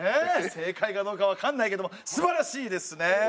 正解かどうか分かんないけどもすばらしいですね！